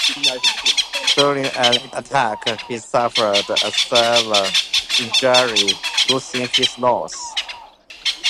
During an attack he suffered a severe injury, losing his nose.